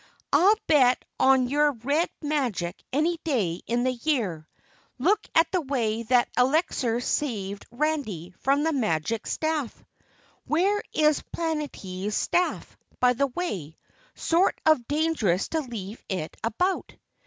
"I'll bet on your red magic any day in the year. Look at the way that elixir saved Randy from the magic staff. Where is Planetty's staff, by the way sort of dangerous to leave it about!"